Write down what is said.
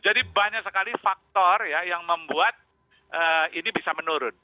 jadi banyak sekali faktor ya yang membuat ini bisa menurun